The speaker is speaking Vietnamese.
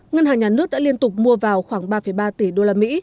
ngân hàng nhà nước đã liên tục mua vào khoảng ba ba tỷ usd